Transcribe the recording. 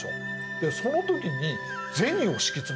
でその時に銭を敷き詰めたんです。